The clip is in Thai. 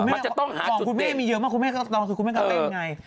มันจะต้องหามองคุณแม่มีเยอะมากคุณแม่ก็ต้องคือคุณแม่ก็เต้นไง